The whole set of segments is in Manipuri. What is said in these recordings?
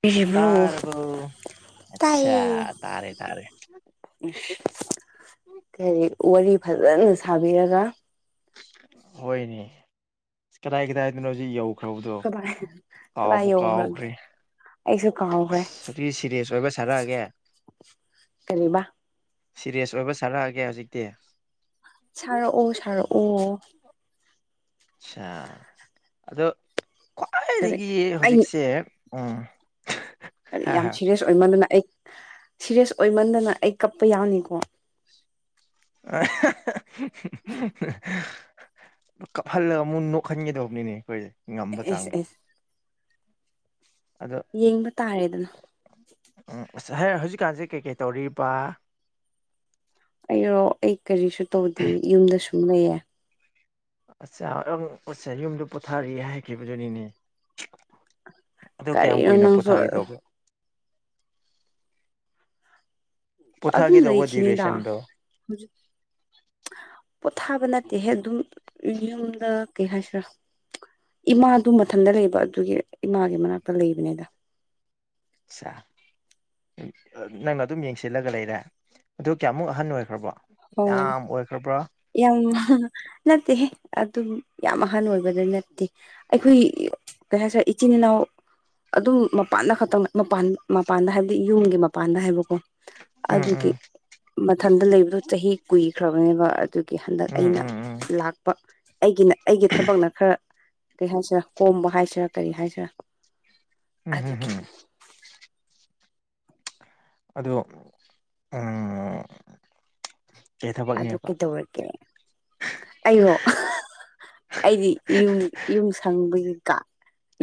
ꯕꯤꯔꯤꯕ꯭ꯔꯣ ꯇꯔꯕ ꯑꯆꯥ ꯇꯔꯦ ꯇꯔꯦ ꯎ ꯀꯩ ꯋꯥꯔꯤ ꯐꯖꯅ ꯁꯥꯕꯤꯔꯒ ꯍꯣꯏꯅꯦ ꯀꯗꯥꯏ ꯀꯗꯥꯏꯗꯅꯣ ꯍꯧꯖꯤꯛ ꯌꯧ ꯀꯈ꯭ꯔꯕꯗꯣ ꯀꯃꯥꯏ ꯀꯗꯥꯏ ꯀꯥꯎꯕ ꯌꯧꯈ꯭ꯔꯒꯦ ꯀꯥꯎꯈ꯭ꯔꯦ ꯑꯩꯁꯨ ꯀꯥꯎꯈ꯭ꯔꯦ ꯁꯤ ꯁꯤꯦꯔꯤꯌꯁ ꯑꯣꯏꯕ ꯁꯥꯔꯛꯑꯒꯦ ꯀꯕ ꯁꯤꯦꯔꯤꯌꯁ ꯑꯣꯏꯕ ꯁꯥꯔꯛꯑꯒꯦ ꯍꯧꯖꯤꯛꯇꯤ ꯁꯔꯛꯑꯣ ꯁꯔꯛꯑꯣ ꯑꯆꯥ ꯑꯗꯣ ꯀꯔꯤ ꯈ꯭ꯋꯥꯏꯗꯒꯤ ꯑꯩ ꯍꯧꯖꯤꯛꯁꯦ ꯎꯝ ꯍꯥꯏ ꯍꯥ ꯌꯥꯝ ꯍꯥ ꯁꯤꯦꯔꯤꯁ ꯑꯣꯏꯃꯟꯗꯅ ꯑꯩ ꯁꯤꯦꯔꯤꯌꯁ ꯑꯣꯏꯃꯟꯗꯅ ꯑꯩ ꯀꯞꯄ ꯌꯥꯎꯅꯤꯀꯣ ꯑ ꯀꯞꯍꯜꯂꯒ ꯑꯃꯨꯛ ꯅꯣꯛꯍꯟꯒꯗꯧꯕꯅꯤꯅꯦ ꯑꯩꯈꯣꯏꯁꯦ ꯉꯝꯕ ꯑꯦꯁ ꯆꯥꯡꯗꯣ ꯑꯦꯁ ꯑꯗꯣ ꯌꯦꯡꯕ ꯇꯥꯔꯦꯗꯅ ꯎ ꯑꯁ ꯍꯥꯏ ꯍꯧꯖꯤꯛꯀꯥꯟꯁꯦ ꯀꯩꯀꯩ ꯇꯧꯔꯤꯕ ꯑꯩꯔꯣ ꯑꯩ ꯀꯔꯤꯁꯨ ꯇꯧꯗꯦ ꯌꯨꯝꯗ ꯁꯨꯝ ꯂꯩꯌꯦ ꯑꯁꯁ ꯌꯨꯝꯗ ꯄꯣꯊꯥꯔꯤ ꯍꯥꯏꯈꯤꯕꯗꯨꯅꯤꯅꯦ ꯑꯗꯨꯣ ꯀꯌꯥꯝ ꯀꯔꯤꯅꯣ ꯀꯨꯏꯅ ꯅꯪꯁꯨ ꯄꯨꯊꯥꯒꯦ ꯇꯧꯒꯦ ꯑꯗꯨꯝ ꯄꯣꯊꯥꯒꯦ ꯇꯧꯕ ꯂꯩꯈꯤꯅꯤꯗ ꯗ꯭ꯌꯨꯔꯦꯁꯟꯗꯣ ꯄꯣꯊꯥꯕ ꯅꯠꯇꯦꯍꯦ ꯑꯗꯨꯝ ꯌꯨꯝꯗ ꯀꯩ ꯍꯥꯏꯁꯤꯔꯥ ꯏꯃꯥꯗꯨ ꯃꯊꯟꯇ ꯂꯩꯕ ꯑꯗꯨꯒꯤ ꯏꯃꯥꯒꯤ ꯃꯅꯥꯛꯇ ꯂꯩꯕꯅꯤꯗ ꯑꯆꯥ ꯅꯪꯅ ꯑꯗꯨꯝ ꯌꯦꯡꯁꯤꯜꯂꯒ ꯂꯩꯔꯦ ꯑꯗꯣ ꯀꯌꯥꯃꯨꯛ ꯑꯍꯟ ꯑꯣꯏꯈ꯭ꯔꯕꯣ ꯑꯣ ꯌꯥꯝ ꯑꯣꯏꯈ꯭ꯔꯕ꯭ꯔꯣ ꯌꯥꯝ ꯅꯠꯇꯦ ꯑꯗꯨꯝ ꯌꯥꯝ ꯑꯍꯜ ꯑꯣꯏꯕꯗ ꯅꯠꯇꯦ ꯑꯩꯈꯣꯏ ꯀꯩ ꯍꯥꯏꯁꯔꯦ ꯏꯆꯤꯟ ꯏꯅꯥꯎ ꯑꯗꯨꯝ ꯃꯄꯥꯟꯗ ꯈꯛꯇꯪ ꯃꯄꯥꯟ ꯃꯄꯥꯟꯗ ꯍꯥꯏꯕꯗꯤ ꯌꯨꯝꯒꯤ ꯃꯄꯥꯟꯗ ꯍꯥꯏꯕꯀꯣ ꯎꯝ ꯑꯗꯨꯒꯤ ꯎꯝ ꯃꯊꯟꯗ ꯂꯩꯕꯗꯨꯣ ꯆꯍꯤ ꯀꯨꯏꯈ꯭ꯔꯕꯅꯦꯕ ꯑꯗꯨꯒꯤ ꯍꯟꯗꯛ ꯑꯩꯅ ꯎꯝ ꯎꯝ ꯎꯝ ꯂꯥꯛꯄ ꯑꯩꯒꯤꯅ ꯑꯩꯒꯤ ꯊꯕꯛꯅ ꯈꯔ ꯀꯔꯤ ꯍꯥꯏꯁꯤꯔꯥ ꯀꯣꯝꯕ ꯍꯥꯏꯁꯤꯔꯥ ꯀꯔꯤ ꯍꯥꯏꯁꯤꯔꯥ ꯎꯝ ꯍꯝ ꯑꯗꯨꯒꯤ ꯍꯝ ꯑꯗꯣ ꯎ ꯑꯗꯨ ꯀꯩꯗꯧꯔꯒꯦ ꯑꯩꯕꯨꯣ ꯑꯩꯗꯤꯨꯝ ꯌꯨꯝ ꯁꯪꯕꯒꯤ ꯀ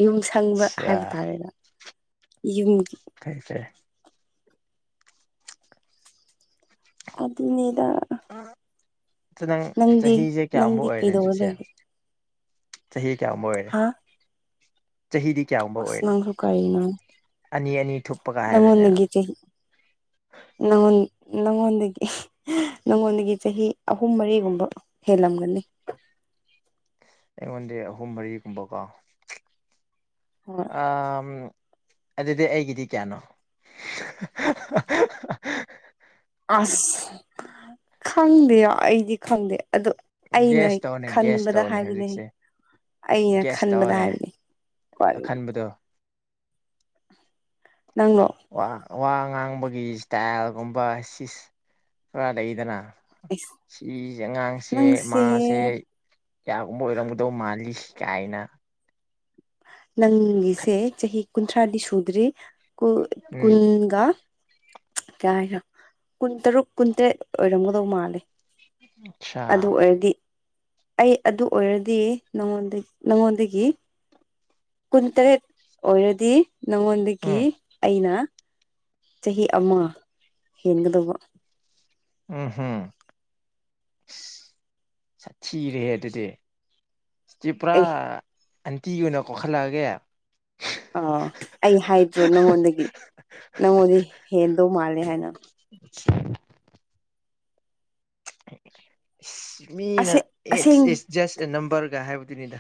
ꯌꯨꯝ ꯊꯪꯕ ꯑꯠꯆꯥ ꯍꯥꯏꯕ ꯇꯥꯔꯦꯗ ꯌꯨꯝ ꯊꯁꯦ ꯑꯗꯨꯅꯤꯗ ꯑ ꯅꯪ ꯆꯍꯤꯁꯦ ꯀꯌꯥꯃꯨꯛ ꯅꯪꯗꯤ ꯑꯣꯏꯔꯦ ꯀꯩꯗꯧꯔ ꯍꯧꯖꯤꯛꯁꯦ ꯂꯩꯒꯦ ꯆꯍꯤ ꯀꯌꯥꯃ ꯑꯣꯏꯔꯦ ꯍꯥ ꯆꯍꯤꯗꯤ ꯀꯌꯥꯒꯨꯝꯕ ꯑꯁ ꯑꯣꯏꯔꯦ ꯅꯪꯁꯨ ꯀꯔꯤꯅꯣ ꯑꯅꯤ ꯑꯅꯤ ꯊꯨꯞꯄꯒ ꯍꯥꯏꯔꯨꯅꯦ ꯍ ꯅꯪꯉꯣꯟꯗꯒꯤ ꯆꯍꯤ ꯅꯪꯉꯣꯟꯗꯒꯤ ꯅꯪꯉꯣꯟꯗꯒꯤ ꯆꯍꯤ ꯑꯍꯨꯝ ꯃꯔꯤꯒꯨꯝꯕ ꯍꯦꯂꯝꯒꯅꯤ ꯑꯩꯉꯣꯟꯗꯤ ꯑꯍꯨꯝ ꯃꯔꯤꯒꯨꯝꯕꯀꯣ ꯍꯣꯏ ꯑ ꯑꯗꯨꯗꯤ ꯑꯩꯒꯤꯗꯤ ꯀꯌꯥꯅꯣ ꯑꯁ ꯈꯪꯗꯦ ꯑꯩꯗꯤ ꯈꯪꯗꯦ ꯑꯗꯣ ꯑꯩꯅ ꯒ꯭ꯌꯥꯁ ꯇꯧꯅꯦ ꯒ꯭ꯌꯥꯁ ꯈꯟꯕꯗ ꯇꯧꯅꯦ ꯍꯥꯏꯕꯅꯦꯩ ꯍꯧꯖꯤꯛꯁꯦ ꯑꯩꯅ ꯒ꯭ꯌꯥꯁ ꯈꯟꯕꯗ ꯇꯧꯅꯦ ꯍꯥꯏꯕꯅꯦ ꯀ ꯈꯟꯕꯗꯣ ꯅꯥꯡꯂꯣ ꯋꯥ ꯉꯥꯡꯕꯒꯤ ꯏꯁꯇꯥꯏꯜꯒꯨꯝꯕ ꯁꯤꯁ ꯈꯔ ꯂꯩꯗꯅ ꯑꯩꯁ ꯁꯤꯁꯦ ꯑꯉꯥꯡꯁꯦ ꯅꯪꯁꯦ ꯃꯥꯁꯦ ꯀꯒꯨꯝꯕ ꯑꯣꯏꯔꯝꯒꯗꯧ ꯃꯥꯜꯂꯤꯁꯤ ꯀꯥꯏꯅ ꯅꯪꯒꯤꯁꯦ ꯆꯍꯤ ꯀꯨꯟꯊ꯭ꯔꯥꯗꯤ ꯁꯨꯗ꯭ꯔꯤ ꯎꯝ ꯀꯨꯟꯒ ꯀꯌꯥ ꯍꯥꯏꯅꯣ ꯀꯨꯟ ꯇꯔꯨꯛ ꯀꯨꯟꯇꯔꯦꯠ ꯑꯣꯏꯔꯝꯒꯗꯧ ꯃꯥꯜꯂꯦ ꯑꯆꯥ ꯑꯗꯨ ꯑꯣꯏꯔꯗꯤ ꯑꯩ ꯑꯗꯨ ꯑꯣꯏꯔꯗꯤ ꯅꯉꯣꯟ ꯅꯉꯣꯟꯗꯒꯤ ꯀꯨꯟꯇꯔꯦꯠ ꯑꯣꯏꯔꯗꯤ ꯅꯪꯉꯣꯟꯗꯒꯤ ꯎꯝ ꯑꯩꯅ ꯆꯍꯤ ꯑꯃ ꯍꯦꯟꯒꯗꯧꯕ ꯎꯝ ꯎꯝ ꯁꯥꯊꯤꯔꯦ ꯑꯗꯨꯗꯤ ꯁꯤꯤ ꯄꯨꯔꯥ ꯑꯦ ꯑꯟꯇꯤꯒꯤ ꯑꯣꯏꯅ ꯀꯣꯛꯈꯠꯂꯛꯑꯒꯦ ꯑ ꯑꯩ ꯍꯥꯏꯗ꯭ꯔꯣ ꯅꯪꯉꯣꯟꯗꯒꯤ ꯅꯪꯉꯣꯟꯗꯤ ꯍꯦꯟꯗꯧ ꯃꯥꯜꯂꯦ ꯍꯥꯏꯅ [inaudible] ꯏꯁ ꯃꯤꯅ ꯑꯁꯦ ꯏꯠꯁ ꯑꯁꯦꯡ ꯏꯠ ꯖꯁ ꯑꯦ ꯅꯝꯕꯔꯒ ꯍꯥꯏꯕꯗꯨꯅꯤꯗ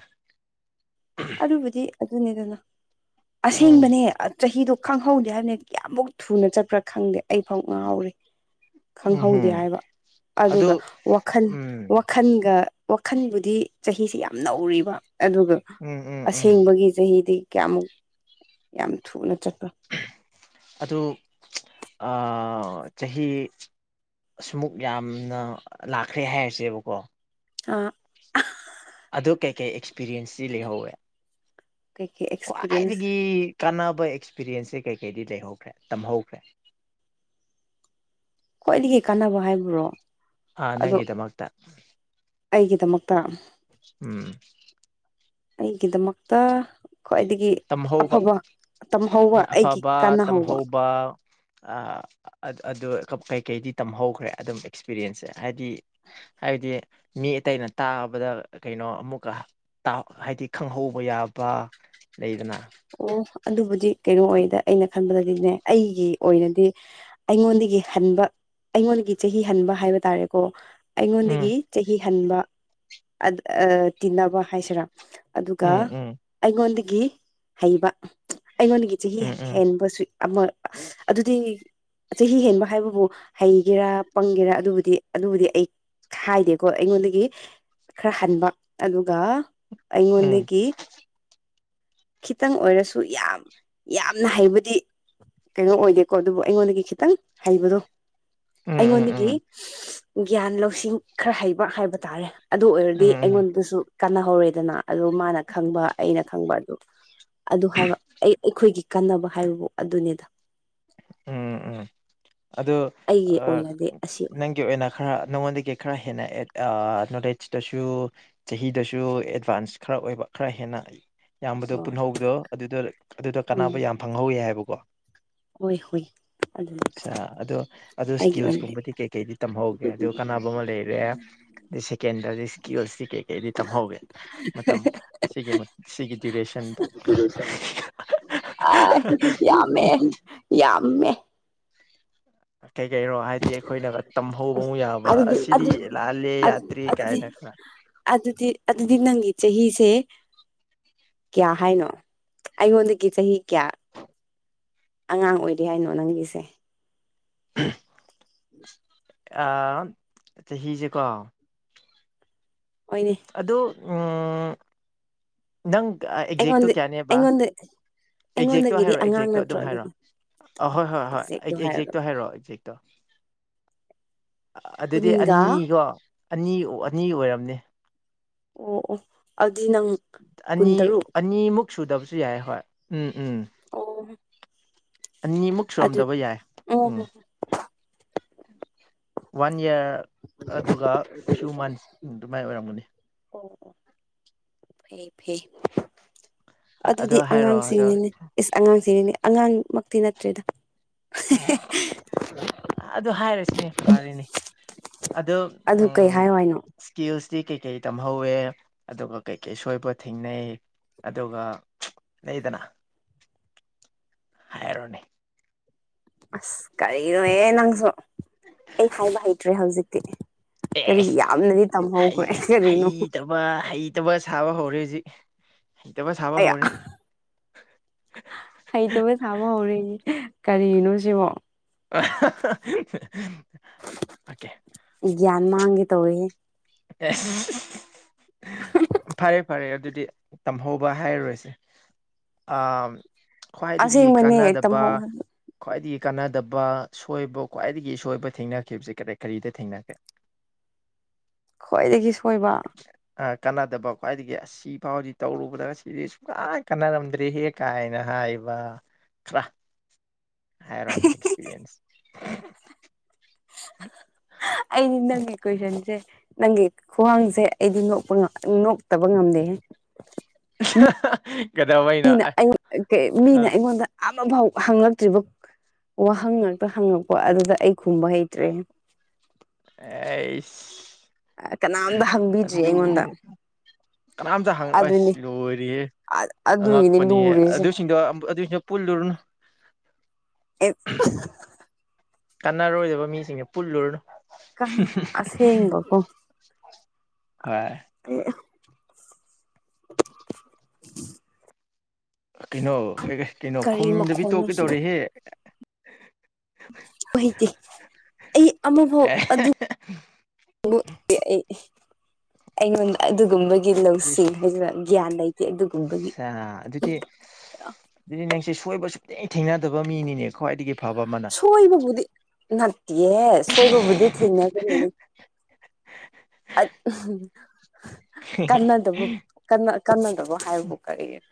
ꯑꯗꯨꯕꯨꯗꯤ ꯑꯗꯨꯅꯤꯗꯅ ꯎꯝ ꯑꯁꯦꯡꯕꯅꯦ ꯆꯍꯤꯗꯣ ꯈꯪꯍꯧꯗꯦ ꯍꯥꯏꯕꯅꯤꯗꯤ ꯀꯌꯥꯃꯨꯛ ꯊꯨꯅ ꯆꯠꯄ꯭ꯔꯥ ꯈꯪꯗꯦ ꯑꯩꯐꯥꯎ ꯉꯥꯎꯔꯤ ꯎꯝ ꯈꯪꯍꯧꯗꯦ ꯍꯝ ꯍꯥꯏꯕ ꯑꯗꯨ ꯑꯗꯨꯒ ꯋꯥꯈꯜ ꯎꯝ ꯋꯥꯈꯟꯒ ꯋꯥꯈꯟꯕꯨꯗꯤ ꯆꯍꯤꯁꯤ ꯌꯥꯝ ꯅꯧꯔꯤꯕ ꯑꯗꯨꯒ ꯎꯝ ꯎꯝ ꯎꯝ ꯑꯁꯦꯡꯕꯒꯤ ꯆꯍꯤꯗꯤ ꯀꯌꯥꯃꯨꯛ ꯌꯥꯝ ꯊꯨꯅ ꯆꯠꯄ ꯑꯗꯨ ꯆꯍꯤ ꯁ꯭ꯃꯨꯛ ꯌꯥꯝꯅ ꯂꯥꯛꯈ꯭ꯔꯦ ꯍꯥꯏꯔꯁꯦꯕꯀꯣ ꯑ ꯑꯗꯣ ꯀꯩꯀꯩ ꯑꯦꯛꯁꯄꯤꯔꯤꯌꯦꯟꯁꯇꯤ ꯂꯩꯍꯧꯋꯦ ꯀꯩꯀꯩ ꯑꯦꯛꯁꯄꯤꯔꯤꯌꯦꯟꯁ ꯈ꯭ꯋꯥꯏꯗꯒꯤ ꯀꯥꯟꯅꯕ ꯑꯦꯛꯁꯄꯤꯔꯤꯌꯦꯟꯁꯁꯦ ꯀꯩ ꯀꯩꯗꯤ ꯂꯩꯍꯧꯈ꯭ꯔꯦ ꯇꯝꯍꯧꯈ꯭ꯔꯦ ꯈ꯭ꯋꯥꯏꯗꯒꯤ ꯀꯥꯟꯅꯕ ꯍꯥꯏꯕ꯭ꯔꯣ ꯑꯗꯣ ꯅꯪꯒꯤꯗꯃꯛꯇ ꯑꯩꯒꯤꯗꯃꯛꯇ ꯎꯝ ꯑꯩꯒꯤꯗꯃꯛꯇ ꯈ꯭ꯋꯥꯏꯗꯒꯤ ꯇꯝꯍꯧꯕ ꯑꯐꯕ ꯇꯝꯍꯧꯕ ꯑꯩꯒꯤ ꯑꯐꯕ ꯀꯥꯟꯅꯍꯧꯕ ꯇꯝꯍꯧꯕ ꯑ ꯑꯠ ꯑꯗꯨ ꯀꯞ ꯀꯩꯀꯩꯗꯤ ꯇꯝꯍꯧꯈ꯭ꯔꯦ ꯑꯗꯨꯝ ꯑꯦꯛꯁꯄꯤꯔꯤꯌꯦꯟꯁꯁꯦ ꯍꯥꯏꯗꯤ ꯍꯥꯏꯕꯗꯤ ꯃꯤ ꯑꯇꯩꯅ ꯇꯥꯕꯗ ꯀꯩꯅꯣ ꯑꯃꯨꯛꯀ ꯇꯥ ꯍꯥꯏꯗꯤ ꯈꯪꯍꯧꯕ ꯌꯥꯕ ꯂꯩꯗꯅ ꯑꯣ ꯑꯗꯨꯕꯨꯗꯤ ꯀꯩꯅꯣ ꯑꯣꯏꯗ ꯑꯩꯅ ꯈꯟꯕꯗꯗꯤꯅꯦ ꯑꯩꯒꯤ ꯑꯣꯏꯅꯗꯤ ꯑꯩꯉꯣꯟꯗꯒꯤ ꯍꯟꯕ ꯑꯩꯉꯣꯟꯗꯒꯤ ꯆꯍꯤ ꯍꯟꯕ ꯍꯥꯏꯕ ꯇꯥꯔꯦꯀꯣ ꯑꯩꯉꯣꯟꯗꯒꯤ ꯎꯝ ꯆꯍꯤ ꯍꯟꯕ ꯑꯠ ꯑ ꯇꯤꯟꯅꯕ ꯍꯥꯏꯁꯤꯔꯥ ꯑꯗꯨꯒ ꯎꯝ ꯎꯝ ꯑꯩꯉꯣꯟꯗꯒꯤ ꯍꯩꯕ ꯑꯩꯉꯣꯟꯗꯒꯤ ꯆꯍꯤ ꯎꯝ ꯎꯝ ꯍꯦꯟꯕꯁꯨ ꯑꯃ ꯑꯗꯨꯗꯤ ꯆꯍꯤ ꯍꯦꯟꯕ ꯍꯥꯏꯕꯕꯨ ꯍꯩꯒꯦꯔꯥ ꯄꯪꯒꯦꯔ ꯑꯗꯨꯕꯨꯗꯤ ꯑꯗꯨꯕꯨꯗꯤ ꯑꯩ ꯍꯥꯏꯗꯦꯀꯣ ꯑꯩꯉꯣꯟꯗꯒꯤ ꯈꯔ ꯍꯟꯕ ꯑꯗꯨꯒ ꯎꯝ ꯑꯩꯉꯣꯟꯗꯒꯤ ꯈꯤꯇꯪ ꯑꯣꯏꯔꯁꯨ ꯌꯥꯝ ꯌꯥꯝꯅ ꯍꯩꯕꯗꯤ ꯀꯩꯅꯣ ꯑꯣꯏꯗꯦꯀꯣ ꯑꯗꯨꯕꯨ ꯑꯩꯉꯣꯟꯗꯒꯤ ꯈꯤꯇꯪ ꯍꯩꯕꯗꯣ ꯎꯝ ꯎꯝ ꯑꯩꯉꯣꯟꯗꯒꯤ ꯎꯝ ꯒ꯭ꯌꯥꯟ ꯂꯧꯁꯤꯡ ꯈꯔ ꯍꯩꯕ ꯍꯥꯏꯕ ꯇꯥꯔꯦ ꯑꯗꯨ ꯑꯣꯏꯔꯗꯤ ꯎꯝ ꯑꯩꯉꯣꯟꯗꯁꯨ ꯀꯥꯟꯅꯍꯧꯔꯦꯗꯅ ꯑꯗꯨꯗꯣ ꯃꯥꯅ ꯈꯪꯕ ꯑꯩꯅ ꯈꯪꯕ ꯑꯗꯨ ꯑꯗꯨ ꯍꯥꯏꯕ ꯑꯩ ꯑꯩꯈꯣꯏꯒꯤ ꯀꯥꯟꯅꯕ ꯍꯥꯏꯕꯕꯨ ꯑꯗꯨꯅꯤꯗ ꯎꯝ ꯎꯝ ꯑꯗꯨ ꯑꯩꯒꯤ ꯑꯣꯏꯅꯗꯤ ꯑꯁꯤ ꯑꯞꯅꯪꯒꯤ ꯑꯣꯏꯅ ꯈꯔ ꯅꯉꯣꯟꯗꯒꯤ ꯈꯔ ꯍꯦꯟꯅꯠ ꯅꯣꯠꯖꯇꯁꯨ ꯆꯍꯤꯗꯁꯨ ꯑꯦꯗꯚꯥꯟꯁ ꯈꯔ ꯑꯣꯏꯕ ꯈꯔ ꯍꯦꯟꯅ ꯌꯥꯝꯕꯗꯣ ꯑꯣ ꯄꯨꯟꯍꯧꯕꯗꯣ ꯑꯗꯨꯗ ꯑꯗꯨꯗ ꯎꯝ ꯀꯥꯟꯅꯕ ꯌꯥꯝ ꯐꯪꯍꯧꯋꯤ ꯍꯥꯏꯕꯀꯣ꯫ ꯍꯣꯏ ꯍꯣꯏ꯫ ꯑꯗꯨꯅꯤ ꯑꯆꯥ ꯑꯗꯣ ꯑꯗꯨꯣ ꯑꯩꯒꯤ ꯑꯣꯏꯅꯗꯤ ꯁ꯭ꯀꯤꯜꯁꯀꯨꯝꯕꯗꯤ ꯀꯩꯀꯩꯗꯤ ꯇꯝꯍꯧꯒꯦ ꯑꯗꯨ ꯀꯥꯟꯅꯕ ꯑꯃ ꯂꯩꯔꯦ ꯑꯗꯩ ꯁꯦꯀꯦꯟꯗꯗꯤ ꯏꯁꯀꯤꯜꯁꯇꯤ ꯀꯩ ꯑꯩꯗꯤ ꯇꯝꯍꯧꯒꯦ ꯃꯇꯝ ꯁꯤꯒꯤ ꯁꯤꯒꯤ ꯗꯤꯔꯦꯁꯟꯗ ꯑ ꯌꯥꯝꯃꯦ ꯌꯥꯝꯃꯦ꯫ ꯀꯩ ꯀꯩꯅꯣ ꯍꯥꯏꯗꯤ ꯑꯩꯈꯣꯏꯅꯒ ꯇꯝꯍꯧꯕ ꯌꯥꯕ ꯑꯗꯨꯗꯤ ꯑꯁꯤꯗꯤ ꯑꯗꯨ ꯂꯥꯜꯂꯦ ꯑꯗꯨ ꯌꯥꯠꯇ꯭ꯔꯦ ꯑꯗꯨꯗꯤ ꯀꯥꯏꯅ ꯈ ꯑꯗꯨꯗꯤ ꯑꯗꯨꯗꯤ ꯅꯪ ꯆꯍꯤꯁꯦ ꯀꯌꯥ ꯍꯥꯏꯅꯣ ꯑꯩꯉꯣꯟꯗꯒꯤ ꯆꯍꯤ ꯀꯌꯥ ꯑꯉꯥꯡ ꯑꯣꯏꯔꯤ ꯍꯥꯏꯅꯣ ꯅꯪꯒꯤꯁꯦ꯫ [unintelligible] ꯆꯍꯤꯁꯦꯀꯣ ꯍꯣꯏꯅꯦ ꯑꯗꯣ ꯅꯪ ꯑꯦꯛꯖꯦꯛꯇꯣ ꯑꯩꯉꯣꯟꯗ ꯀꯌꯥꯅꯦꯕ ꯑꯩꯉꯣꯟꯗ ꯑꯦꯛꯖꯦꯛꯇꯣ ꯑꯩꯉꯣꯟꯗꯒꯤꯗꯤ ꯍꯥꯏꯔꯛꯑꯣ ꯑꯉꯥꯡ ꯑꯦꯛꯖꯦꯛꯇꯣ ꯅꯠꯇ꯭ꯔꯣ ꯑꯗꯨꯝ ꯑꯗꯨꯗꯤ ꯍꯥꯏꯔꯛꯑꯣ ꯑ ꯍꯣꯏ ꯍꯣꯏ ꯍꯣꯏ ꯑꯦꯛꯖꯦꯛꯇꯣ ꯑꯦꯛ ꯍꯥꯏꯔꯒ ꯑꯦꯛꯖꯦꯛꯇꯣ ꯍꯥꯏꯔꯛꯑꯣ ꯑꯦꯛꯖꯦ ꯑꯗꯨꯗꯤ ꯀꯨꯟꯒ ꯑꯅꯤꯔꯣ꯫ ꯑꯅꯤ ꯑꯣ ꯑꯅꯤ ꯑꯣꯏꯔꯝꯅꯦ꯫ ꯑꯣ ꯑꯣ ꯑꯗꯨꯗꯤ ꯅꯪ ꯑꯅꯤ ꯀꯨꯟꯇꯔꯨꯛ꯫ ꯑꯅꯤꯃꯨꯛ ꯁꯨꯗꯕꯁꯨ ꯌꯥꯏ ꯍꯣꯏ ꯎꯝ ꯎꯝ꯫ ꯑꯣ꯫ ꯑꯅꯤꯃꯨꯛ ꯑꯗꯨ ꯁꯨꯔꯝꯗꯕ ꯌꯥꯏ ꯑꯣ ꯎꯝ꯫ ꯍꯣ ꯋꯥꯟ ꯌꯔ ꯑꯗꯨꯒ ꯐ꯭ꯌꯨ ꯃꯟꯁ ꯑꯗꯨꯃꯥꯏꯅ ꯑꯣꯏꯔꯝꯒꯅꯤ꯫ ꯑꯣ ꯑꯣ꯫ ꯐꯩ ꯐꯩ ꯑꯗꯨꯗꯤ ꯑꯗꯣ ꯍꯥꯏꯔꯣ ꯑꯗꯣ ꯑꯉꯥꯡꯁꯤꯡꯅꯤꯅꯦ ꯏꯁ ꯑꯉꯥꯡꯁꯤꯅꯦ ꯑꯉꯥꯡꯃꯛꯇꯤ ꯅꯠꯇ꯭ꯔꯦꯗ ꯑꯗꯨ ꯍꯥꯏꯔꯁꯤꯅꯦ ꯐꯔꯦꯅꯦ ꯑꯗꯣ ꯑꯗꯨ ꯀꯩ ꯑꯝ ꯍꯥꯏꯌꯣ ꯍꯥꯏꯅꯣ ꯏꯁꯀꯤꯜꯁꯇꯤ ꯀꯩꯀꯩ ꯇꯝꯍꯧꯋꯦ ꯑꯗꯨꯒ ꯀꯩꯀꯩ ꯁꯣꯏꯕ ꯊꯦꯡꯅꯩ꯫ ꯑꯗꯨꯒ ꯂꯩꯗꯅ ꯍꯥꯏꯔꯣꯅꯦ ꯑꯁ ꯀꯔꯤꯅꯣꯌꯦ ꯅꯪꯁꯨ ꯑꯩ ꯍꯥꯏꯕ ꯍꯩꯇ꯭ꯔꯦ ꯍꯧꯖꯤꯛꯇꯤ ꯀꯔꯤ ꯑꯦꯁ ꯌꯥꯝꯅꯗꯤ ꯍꯩ ꯇꯝꯍꯧꯈ꯭ꯔꯦ ꯀꯔꯤꯅꯣ ꯍꯩꯇꯕ ꯍꯩꯇꯕ ꯁꯥꯕ ꯍꯧꯔꯦ ꯍꯧꯖꯤꯛ ꯍꯩꯇꯕ ꯁꯥꯕ ꯑꯌꯥ ꯍꯧꯔꯦ ꯍꯩꯇꯕ ꯁꯥꯕ ꯍꯧꯔꯦ ꯀꯔꯤꯅꯣ ꯁꯤꯕꯣ ꯑꯣꯀꯦ ꯒ꯭ꯌꯥꯟ ꯃꯥꯡꯒꯦ ꯇꯧꯋꯦꯍꯦ ꯐꯔꯦ ꯐꯔꯦ ꯑꯗꯨꯗꯤ ꯇꯝꯍꯧꯕ ꯍꯥꯏꯔꯔꯣꯏꯁꯦ ꯑ ꯈ꯭ꯋꯥꯏꯗꯒꯤ ꯑꯁꯦꯡꯕꯅꯦ ꯀꯥꯟꯅꯗꯕ ꯇꯝꯍꯧ ꯍꯥꯏꯕ ꯈ꯭ꯋꯥꯏꯗꯒꯤ ꯀꯥꯟꯅꯗꯕ ꯁꯣꯏꯕ ꯈ꯭ꯋꯥꯏꯗꯒꯤꯁꯣꯏꯕ ꯊꯦꯡꯅꯈꯤꯕꯁꯦ ꯀꯔꯤ ꯀꯔꯤꯗ ꯊꯦꯡꯅꯈꯦ ꯈ꯭ꯋꯥꯏꯗꯒꯤ ꯁꯣꯏꯕ ꯑ ꯀꯥꯟꯅꯗꯕ ꯈ꯭ꯋꯥꯏꯗꯒꯤ ꯑꯁ ꯁꯤꯐꯥꯎꯁꯤ ꯇꯧꯔꯨꯕꯗꯒ ꯁꯤꯗꯤ ꯁꯨꯡꯂꯥꯏ ꯀꯥꯟꯅꯔꯝꯗ꯭ꯔꯦꯍꯦ ꯀꯥꯏꯅ ꯍꯥꯏꯌꯦꯕ ꯍꯥꯏꯔꯟ ꯑꯦꯛꯁꯄꯤꯔꯤꯌꯦꯟꯁ ꯑꯩꯅꯤ ꯅꯪꯒꯤ ꯀꯣꯏꯁꯟꯁꯦ ꯅꯪꯒꯤ ꯈ꯭ꯋꯥꯡꯁꯦ ꯑꯩꯗꯤ ꯅꯣꯛꯄ ꯅꯣꯛꯇꯕ ꯉꯝꯗꯦ ꯍꯦ ꯍꯥ ꯍꯥ ꯃꯤꯅ ꯃꯤꯅ ꯑꯩꯉꯣꯟꯗ ꯑꯃꯥꯐꯥꯎ ꯍꯉꯛꯇ꯭ꯔꯤꯕ ꯋꯥꯍꯪ ꯉꯥꯛꯇ ꯍꯪꯉꯛꯄ ꯑꯗꯨꯗ ꯑꯩ ꯈꯨꯝꯕ ꯍꯩꯇ꯭ꯔꯦꯅꯦ ꯑꯩꯁ ꯀꯅꯥꯝꯇ ꯍꯪꯕꯤꯗ꯭ꯔꯤ ꯑꯗꯨꯅꯤ ꯑꯩꯉꯣꯟꯗ ꯀꯅꯥꯝꯇ ꯍꯪꯉꯛꯑꯁ ꯑꯗꯨꯅꯤ ꯂꯣꯏꯔꯤꯍꯦ ꯑꯗꯨꯒꯤꯅꯤ ꯑꯉꯛꯄꯅꯤꯍꯦ ꯂꯨꯔꯤꯁꯦ ꯑꯗꯨꯏꯁꯤꯡꯗꯣ ꯑꯗꯨꯁꯤꯡ ꯄꯨꯜꯂꯨꯔꯅ ꯑꯦ ꯀꯥꯟꯅꯔꯣꯏꯗꯕ ꯃꯤꯁꯤꯡꯁꯦ ꯄꯨꯜꯂꯨꯔꯨꯅꯨ ꯀ ꯑꯁ ꯍꯦꯡꯕꯒꯣ ꯍꯣꯏ ꯑ [inaudible] ꯀꯩꯅꯣ ꯑꯦ ꯀꯩꯅꯣ ꯀꯔꯤ ꯈꯨꯝꯗꯕꯤ ꯃꯈꯣꯟꯅꯣ ꯇꯣꯛꯀꯦ ꯁꯤꯕꯨ ꯇꯧꯔꯦꯍꯦ ꯑꯣꯏꯇꯦ ꯑꯩ ꯑꯃꯐꯥꯎ ꯑꯦ ꯑꯗꯨ ꯑꯩ ꯑꯩꯉꯣꯟꯗ ꯑꯗꯨꯒꯨꯝꯕꯒꯤ ꯂꯧꯁꯤꯡ ꯏꯁ ꯍꯥꯏꯖꯔꯛ ꯒ꯭ꯌꯥꯟ ꯂꯩ ꯁꯥ ꯑꯗꯨꯗꯤ ꯑꯗꯨꯗꯤ ꯅꯪꯁꯦ ꯁꯣꯏꯕ ꯁꯨꯡꯇꯤ ꯊꯦꯡꯅꯗꯕ ꯃꯤꯅꯤꯅꯦ ꯈ꯭ꯋꯥꯏꯗꯒꯤ ꯐꯕ ꯑꯃꯅ ꯁꯣꯏꯕꯕꯨꯗꯤ ꯅꯠꯇꯦ ꯁꯣꯏꯕꯕꯨꯗꯤ ꯊꯦꯡꯅꯒꯅꯤꯅꯦ ꯀꯟꯅꯗꯕꯨ ꯀꯟꯅꯗꯕꯣ ꯍꯥꯏꯕꯕꯨ ꯀꯔꯤꯒꯤꯅ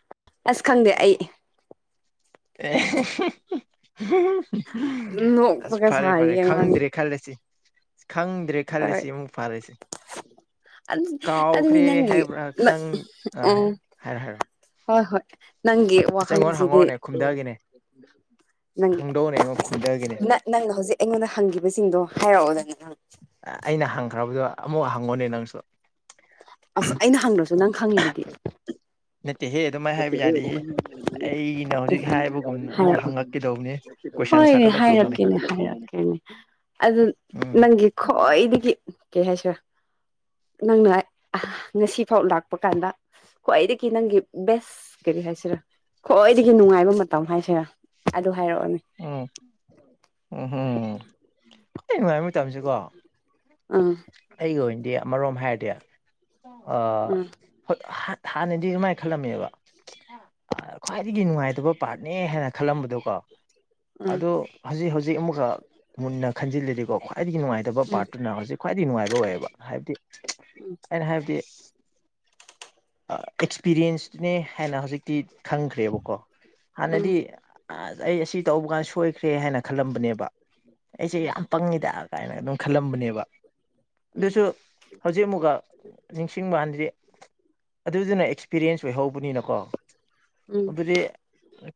ꯑꯁ ꯈꯪꯗꯦ ꯑꯩ ꯑꯦ ꯑꯁ ꯅꯣꯛꯄꯒ ꯐꯔꯦ ꯐꯔꯦ ꯁꯥꯔꯤ ꯑꯉꯥꯡ ꯈꯪꯗ꯭ꯔꯦ ꯈꯜꯂꯁꯤ ꯈꯪꯗ꯭ꯔꯦ ꯈꯜꯂ ꯍꯣꯏ ꯁꯤ ꯑꯃꯨꯛ ꯐꯔꯁꯦ ꯑꯗꯨꯗꯤ ꯅꯪꯒꯤ ꯈꯪ ꯎꯝ ꯑ ꯍꯥꯏꯔꯣ ꯍꯥꯏꯔꯣ ꯍꯥꯏꯔꯣ ꯍꯣꯏ ꯍꯣꯏ ꯅꯪꯒꯤ ꯑꯁ ꯑꯩꯉꯣꯟꯗ ꯋꯥꯍꯪꯁꯤꯗꯤ ꯍꯪꯉꯛꯑꯣꯅꯦ ꯈꯨꯝꯊꯒꯦꯅꯦ ꯅꯪ ꯍꯪꯗꯧꯅꯦ ꯑꯩꯉ ꯈꯨꯝꯗ ꯅꯪꯅ ꯍꯧꯖꯤꯛ ꯑꯩꯉꯣꯟꯗ ꯍꯪꯈꯤꯕꯁꯤꯡꯗꯣ ꯍꯥꯏꯔꯛꯑꯣ ꯅꯪ ꯑꯩꯅ ꯍꯪꯈ꯭ꯔꯕꯗꯣ ꯑꯃꯨꯛ ꯍꯪꯉꯣꯅꯦ ꯅꯪꯁꯨ ꯑꯁ ꯑꯩꯅ ꯍꯪꯗ꯭ꯔꯁꯨ ꯅꯪ ꯈꯪꯉꯤꯗꯨꯗꯤ ꯅꯠꯇꯦꯍꯦ ꯑꯗꯨꯃꯥꯏꯅ ꯍꯥꯏꯕ ꯌꯥꯗꯦꯍ ꯑꯩꯅ ꯑꯦ ꯍꯧꯖꯤꯛ ꯍꯥꯏꯕꯒꯨꯝꯅ ꯑꯃꯨꯛ ꯍꯥꯏꯔꯛꯑꯣ ꯍꯪꯉꯛꯀꯗꯧꯕꯅꯦ ꯍꯣꯏꯅꯦ ꯍꯥꯏꯔꯛꯀꯦꯅꯦ ꯍꯥꯏꯔꯛꯀꯦꯅꯦ ꯑꯗꯨ ꯎꯝ ꯅꯪꯒꯤ ꯈꯣꯏꯗꯤꯗꯒꯤ ꯀꯦ ꯍꯥꯏꯁ꯭ꯔ ꯅꯪꯅ ꯉꯁꯤꯐꯥꯎ ꯂꯥꯛꯄ ꯀꯥꯟꯗ ꯈ꯭ꯋꯥꯏꯗꯒꯤ ꯅꯪꯒꯤ ꯕꯦꯁ ꯀꯔꯤ ꯍꯥꯏꯁꯤꯔꯥ ꯈ꯭ꯋꯥꯏꯗꯒꯤ ꯅꯨꯡꯉꯥꯏꯕ ꯃꯇꯝ ꯍꯥꯏꯁꯤꯔꯥ ꯑꯗꯨ ꯍꯥꯏꯔꯛꯑꯣꯅꯦ ꯎꯝ ꯎ ꯍꯝ [inaudible] ꯑꯩ ꯅꯨꯡꯉꯥꯏꯔꯃꯤ ꯃꯇꯝꯁꯤꯀꯣ ꯑꯥ ꯑꯩꯒꯤ ꯑꯣꯏꯅꯗꯤ ꯑꯃꯔꯣꯝ ꯍꯥꯏꯔꯗꯤ ꯎꯝ ꯍꯣꯏ ꯍꯥꯟꯅꯗꯤ ꯑꯗꯨꯃꯥꯏꯅ ꯈꯜꯂꯝꯃꯦꯕ ꯈ꯭ꯋꯥꯏꯗꯒꯤ ꯅꯨꯡꯉꯥꯏꯇꯕ ꯄꯥꯔꯠꯅꯦ ꯍꯥꯏꯅ ꯈꯜꯂꯝꯕꯗꯣꯀꯣ ꯎꯝ ꯑꯗꯣ ꯍꯧꯖꯤꯛ ꯍꯧꯖꯤꯛ ꯑꯃꯨꯛꯀ ꯃꯨꯟꯅ ꯈꯟꯖꯤꯂꯗꯤꯀꯣ ꯈ꯭ꯏꯗꯒꯤ ꯅꯨꯡꯉꯥꯏꯇꯕ ꯎꯝ ꯄꯥꯔꯠꯇꯨꯅ ꯍꯧꯖꯤꯛ ꯈ꯭ꯋꯥꯏꯗꯒꯤ ꯅꯨꯡꯉꯥꯏꯕ ꯑꯣꯏꯌꯦꯕ ꯍꯥꯏꯕꯗꯤ ꯑꯩꯅ ꯍꯥꯏꯕꯗꯤ ꯑꯦꯛꯁꯄꯤꯔꯤꯌꯦꯟꯁꯅꯦ ꯍꯥꯏꯅ ꯍꯧꯖꯤꯛꯇꯤ ꯈꯪꯈ꯭ꯔꯦꯕꯀꯣ ꯍꯥꯟꯅꯗꯤ ꯎꯝ ꯑꯁ ꯑꯩ ꯑꯁꯤ ꯇꯧꯕ ꯀꯥꯟꯗ ꯁꯣꯏꯈ꯭ꯔꯦ ꯍꯥꯏꯅ ꯈꯜꯂꯝꯕꯅꯦꯕ ꯑꯩꯁꯦ ꯎꯝ ꯌꯥꯝ ꯄꯪꯉꯤꯗ ꯀꯥꯏꯅ ꯑꯗꯨꯝ ꯈꯜꯂꯝꯕꯅꯦꯕ ꯑꯗꯨꯁꯨ ꯍꯧꯖꯤꯛ ꯑꯃꯨꯛꯀ ꯅꯤꯡꯁꯤꯡꯕ ꯍꯥꯏꯖꯤꯗꯤ ꯑꯗꯨꯁꯨꯅꯦ ꯑꯦꯛꯁꯄꯤꯔꯤꯌꯦꯟꯁ ꯑꯣꯏꯍꯧꯕꯅꯤꯅꯀꯣ ꯎꯝ ꯎꯝ ꯑꯗꯨꯗꯤ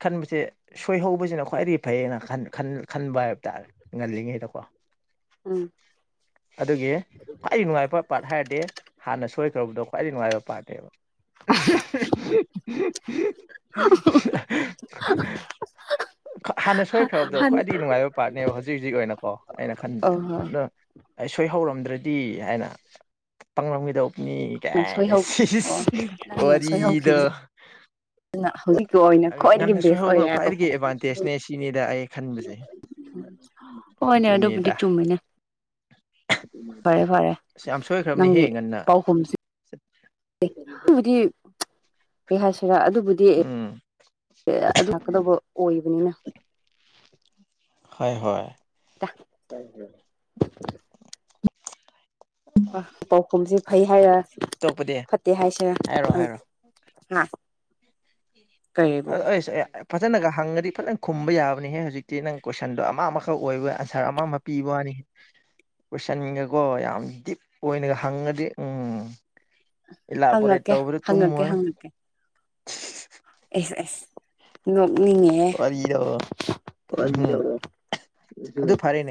ꯈꯟꯕꯁꯦ ꯁꯣꯏꯍꯧꯕꯁꯤꯅ ꯈ꯭ꯋꯥꯏꯗꯒꯤ ꯐꯩꯌꯦꯅ ꯈꯟꯕ ꯍꯥꯏꯕ ꯇꯥꯔꯦ ꯉꯜꯂꯤꯉꯩꯗꯀꯣ ꯎꯝ ꯑꯗꯨꯒꯤ ꯈ꯭ꯋꯥꯏꯗꯒꯤ ꯅꯨꯡꯉꯥꯏꯕ ꯄꯥꯔꯠ ꯍꯥꯏꯔꯗꯤ ꯍꯥꯟꯅ ꯁꯣꯏꯈ꯭ꯔꯕꯗꯣ ꯈ꯭ꯋꯥꯏꯗꯒꯤ ꯅꯨꯡꯉꯥꯏꯕ ꯄꯥꯔꯠꯅꯦꯕ [inaudible] [unintelligible] ꯍꯥꯟꯅ ꯁꯣꯏꯈ꯭ꯔꯕꯗꯣ ꯍꯥꯟ ꯈ꯭ꯋꯥꯏꯗꯒꯤ ꯅꯨꯡꯉꯥꯏꯕ ꯄꯥꯔꯠꯅꯦꯕ ꯍꯧꯖꯤꯛ ꯍꯧꯖꯤꯛ ꯑꯣꯏꯅꯀꯣ ꯑꯩꯅ ꯑꯣ ꯈꯟꯕꯁꯦ ꯍꯣꯏ ꯑꯗꯣ ꯑꯩ ꯁꯣꯏ ꯍꯧꯔꯝꯗ꯭ꯔꯗꯤ ꯍꯥꯏꯅ ꯄꯪꯂꯝꯒꯗꯧꯕꯅꯤ ꯉꯁꯣꯏ ꯀꯥꯏꯅꯥ ꯍꯧ ꯏꯁꯩ ꯑꯣ ꯋꯔꯤꯗꯣ ꯑꯗꯨꯅ ꯍꯧꯖꯤꯛꯀꯤ ꯑꯣꯏꯅ ꯈ꯭ꯋꯥꯏꯗꯒꯤ ꯕꯦꯁ ꯑꯣꯏꯔꯦ ꯍꯥꯏꯕꯀꯣ ꯃꯦꯁꯤꯅꯤꯗ ꯑꯩꯁꯨ ꯍꯣꯏꯅꯦ ꯑꯗꯨꯕꯨꯗꯤ ꯑꯗꯨꯅꯤꯗ ꯆꯨꯝꯃꯤꯅꯦ ꯐꯔꯦ ꯐꯔꯦ ꯑꯁ ꯌꯥꯝ ꯁꯣꯏꯈ꯭ꯔꯕꯅꯦꯍꯦ ꯅꯪꯒꯤ ꯉꯟꯅ ꯄꯥꯎꯈꯨꯝꯁꯤ [inaudible] ꯑꯗꯨꯕꯨꯗꯤ ꯀꯩ ꯍꯥꯏꯁꯤꯔꯥ ꯑꯗꯨꯕꯨꯗꯤ ꯎꯝ ꯑꯗꯨ ꯂꯥꯛꯀꯗꯧꯕ ꯑꯣꯏꯕꯅꯤꯅ ꯍꯣꯏ ꯍꯣꯏ ꯍ [unintelligible] ꯑ ꯄꯥꯎꯈꯨꯝꯁꯦ ꯐꯩ ꯍꯥꯏꯔ ꯑꯇꯣꯞꯄꯗꯤ ꯐꯠꯇꯦ ꯍꯥꯏꯁꯤꯔ ꯍꯥꯏꯔꯣ ꯈꯪ ꯍꯥꯏꯔꯣ ꯅ ꯑ ꯑꯩꯁ ꯐꯖꯅꯒ ꯍꯪꯉꯗꯤ ꯐꯖꯅ ꯈꯨꯝꯕ ꯌꯥꯕꯅꯤꯍꯦ ꯍꯧꯖꯤꯛꯇꯤ ꯅꯪ ꯀꯣꯏꯁꯟꯗꯣ ꯑꯃ ꯑꯃꯈꯛ ꯑꯣꯏꯕ ꯑꯟꯁꯔ ꯑꯃꯈꯛ ꯄꯤꯕꯅꯤ ꯀꯣꯏꯁꯟꯒꯀꯣ ꯌꯥꯝ ꯗꯤꯞ ꯑꯣꯏꯅꯒ ꯍꯪꯉꯗꯤ ꯎꯝ ꯏꯂꯕꯣꯔꯦꯇ ꯍꯪꯉꯛꯀꯦ ꯇꯧꯕꯗ ꯍꯪꯉꯛꯀꯦ ꯇꯨꯝꯃꯣꯏ ꯍꯪꯉꯛꯀꯦ ꯑꯦꯁ ꯑꯦꯁ ꯅꯣꯛꯅꯤꯡꯉꯦ ꯋꯥꯔꯤꯗꯣ ꯎꯝꯍꯨꯝ ꯑꯗꯨ ꯐꯔꯦꯅꯦ